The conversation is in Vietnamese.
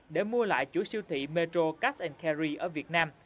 để mua lại chủ siêu thị metro cash carry ở việt nam